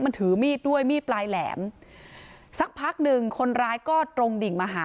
มันถือมีดด้วยมีดปลายแหลมสักพักหนึ่งคนร้ายก็ตรงดิ่งมาหา